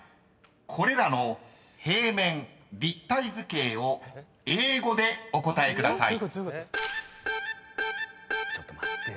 ［これらの平面・立体図形を英語でお答えください］